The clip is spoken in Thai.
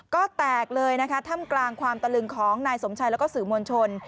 ก็แตกเลยนะคะถ้ำกลางความตะลึงของนายสมชัยแล้วก็สื่อมวลชน